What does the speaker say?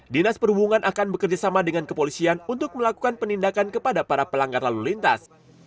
dinas perhubungan akan bekerjasama dengan kepolisian untuk melakukan penindakan kepada para pelanggar lalu lintas